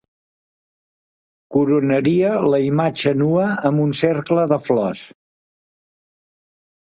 ...coronaria la imatge nua amb un cercle de flors